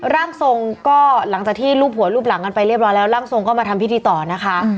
ร่างทรงก็หลังจากที่รูปหัวรูปหลังกันไปเรียบร้อยแล้วร่างทรงก็มาทำพิธีต่อนะคะ